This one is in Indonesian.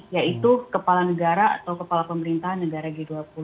yaitu kepala negara atau kepala pemerintahan negara g dua puluh